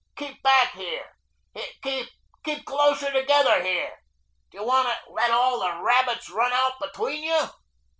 Keep back here....Here, keep closer together here. Do you want to let all the rabbits run back between you?"